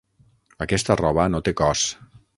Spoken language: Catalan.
Aquesta roba no té cos.